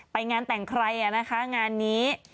ไปงานแต่งใครนะคะงานนี้